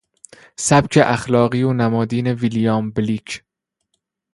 سبک اخلاقی و نمادین ویلیام بلیک